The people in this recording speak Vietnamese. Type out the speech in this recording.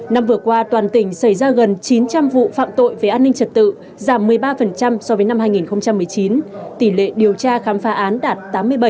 năm vừa qua toàn tỉnh xảy ra gần chín trăm linh vụ phạm tội về an ninh trật tự giảm một mươi ba so với năm hai nghìn một mươi chín tỷ lệ điều tra khám phá án đạt tám mươi bảy